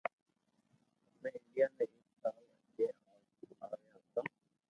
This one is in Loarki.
امو انڌيا مي ايڪ سال اجين آويو ھتو